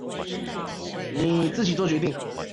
你自己作決定